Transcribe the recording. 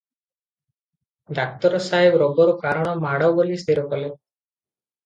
ଡାକ୍ତର ସାହେବ ରୋଗର କାରଣ ମାଡ଼ ବୋଲି ସ୍ଥିର କଲେ ।